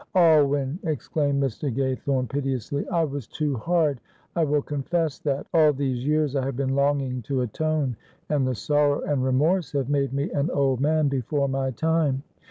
"Alwyn," exclaimed Mr. Gaythorne, piteously, "I was too hard, I will confess that. All these years I have been longing to atone, and the sorrow and remorse have made me an old man before my time.